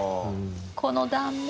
この断面。